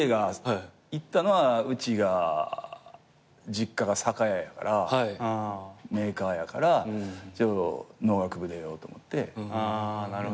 行ったのはうちが実家が酒屋やからメーカーやから農学部出ようと思って。